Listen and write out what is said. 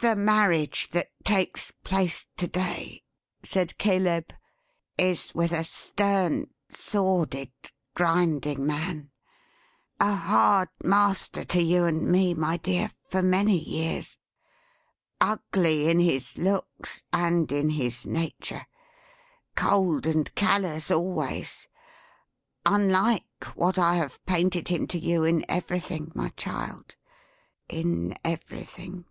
"The marriage that takes place to day," said Caleb, "is with a stern, sordid, grinding man. A hard master to you and me, my dear, for many years. Ugly in his looks, and in his nature. Cold and callous always. Unlike what I have painted him to you in everything, my child. In everything."